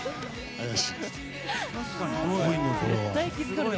すごいね、これは。